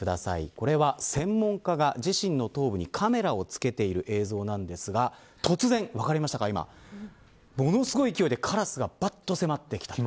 これが専門家が自身の頭部にカメラを着けている映像なんですが突然、分かりましたか、今ものすごい勢いでカラスが迫ってきた。